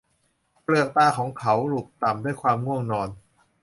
เปลือกตาของเขาหลุบต่ำด้วยความง่วงนอน